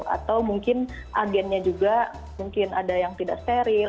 atau mungkin agennya juga mungkin ada yang tidak steril